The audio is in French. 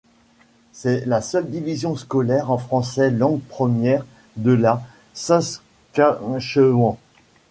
C'est la seule division scolaire en français langue première de la Saskatchewan.